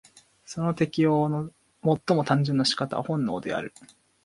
その適応の最も単純な仕方は本能である。